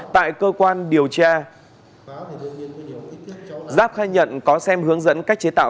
tại cơ quan điều tra giáp khai nhận có xem hướng dẫn cách chế tạo